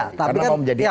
karena mau menjadi elemen